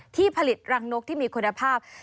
ที่ผลิตรังนกที่มีคุณภาพ